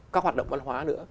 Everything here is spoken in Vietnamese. các hoạt động văn hóa nữa